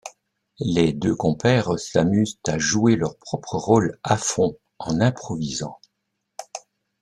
Les deux compères s'amusent à jouer leurs propres rôles à fond en improvisant.